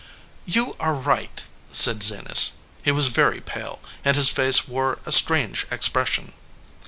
"You are right," said Zenas. He was very pale, and his face wore a strange expression.